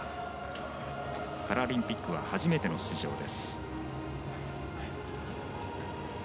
パラリンピックは初めての出場です。